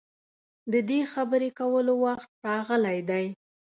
د دې خبرې کولو وخت راغلی دی.